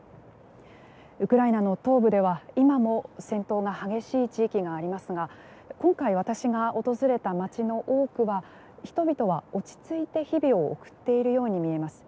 ウクライナの東部では今も戦闘が激しい地域がありますが今回、私が訪れた街の多くは人々は落ち着いて日々を送っているように見えます。